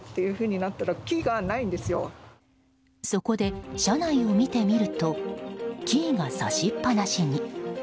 そこで車内を見てみるとキーが挿しっ放しに。